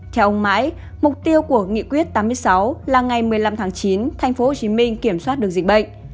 theo ông mãi mục tiêu của nghị quyết tám mươi sáu là ngày một mươi năm tháng chín tp hcm kiểm soát được dịch bệnh